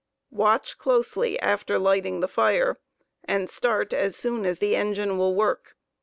Watch closely after lighting the fire, and start as soon as the engine will work.